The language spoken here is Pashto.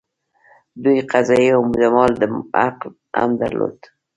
دوی قضايي او د مال حق هم درلود.